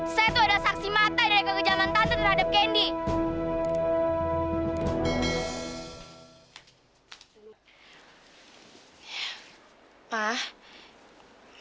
saya tuh ada saksi mata dari kegujaman tante terhadap kendi